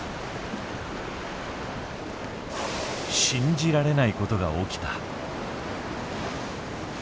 信じられないことが起きた。